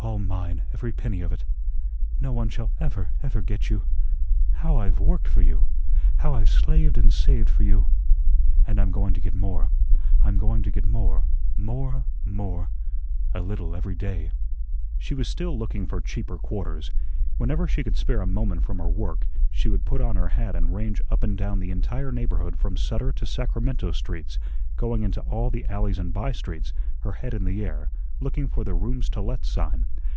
All mine, every penny of it. No one shall ever, ever get you. How I've worked for you! How I've slaved and saved for you! And I'm going to get more; I'm going to get more, more, more; a little every day." She was still looking for cheaper quarters. Whenever she could spare a moment from her work, she would put on her hat and range up and down the entire neighborhood from Sutter to Sacramento Streets, going into all the alleys and bystreets, her head in the air, looking for the "Rooms to let" sign.